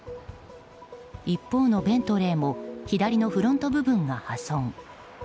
一方のベントレーも左のフロント部分が破損。